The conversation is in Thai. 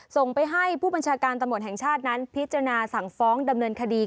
ส่งไปให้ผู้บัญชาการตำรวจแห่งชาตินั้นพิจารณาสั่งฟ้องดำเนินคดี